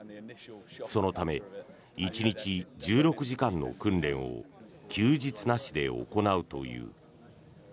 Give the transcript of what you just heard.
そのため、１日１６時間の訓練を休日なしで行うという。